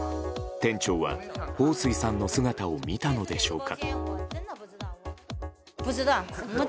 店長は、ホウ・スイさんの姿を見たのでしょうか。